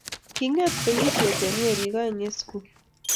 Kingeet birishet eng werik aeng eng sugul